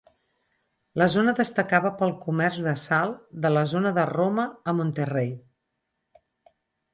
La zona destacava pel comerç de sal de la zona de Roma a Monterrey.